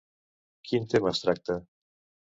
Quin tema es tracta?